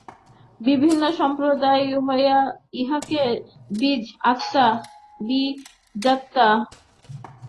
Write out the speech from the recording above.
বিভিন্ন সম্প্রদায় ইঁহাকে জীব, আত্মা, জীবাত্মা প্রভৃতি বিভিন্ন নামে অভিহিত করেন।